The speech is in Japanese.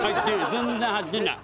全然入ってない。